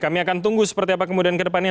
kami akan tunggu seperti apa kemudian kedepannya